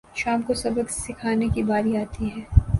شام کو سبق سکھانے کی باری آتی ہے